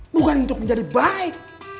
bukan untuk menjadi baik